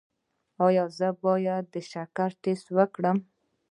ایا زه باید د شکر ټسټ وکړم؟